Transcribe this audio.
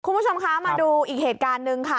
คุณผู้ชมคะมาดูอีกเหตุการณ์หนึ่งค่ะ